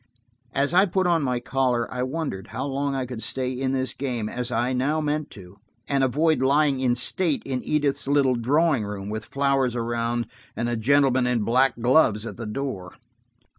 As I put on my collar I wondered how long I could stay in this game, as I now meant to, and avoid lying in state in Edith's little drawing room, with flowers around and a gentleman in black gloves at the door.